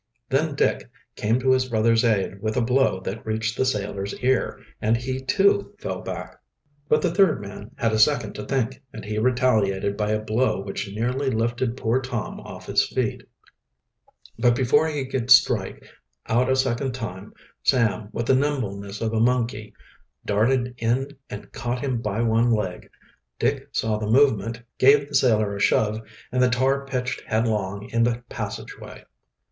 Then Dick came to his brother's aid with a blow that reached the sailor's ear, and he too fell back. But the third man had a second to think, and he retaliated by a blow which nearly lifted poor Tom off his feet. But before he could strike out a second time, Sam, with the nimbleness of a monkey, darted in and caught him by one leg. Dick saw the movement, gave the sailor a shove, and the tar pitched headlong in the passageway.